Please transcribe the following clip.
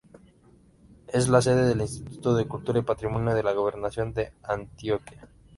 Es la sede del Instituto de Cultura y Patrimonio de la Gobernación de Antioquia.